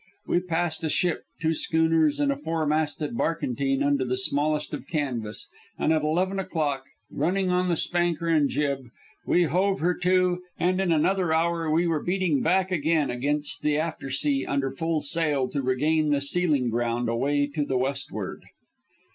We passed a ship, two schooners, and a four masted barkentine under the smallest of canvas, and at eleven o'clock, running up the spanker and jib, we hove her to, and in another hour we were beating back again against the aftersea under full sail to regain the sealing ground away to the westward.